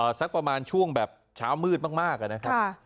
อ่าสักประมาณช่วงแบบเช้ามืดมากมากอะนะครับค่ะ